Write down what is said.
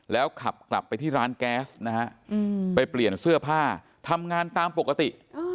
แล้วขับกลับไปที่ร้านแก๊สนะฮะไปเปลี่ยนเสื้อผ้าทำงานตามปกติ